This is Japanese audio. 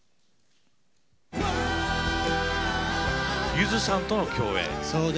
ゆずさんとの共演。